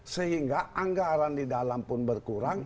sehingga anggaran di dalam pun berkurang